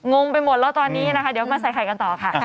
งงไปหมดแล้วตอนนี้นะคะเดี๋ยวมาใส่ไข่กันต่อค่ะ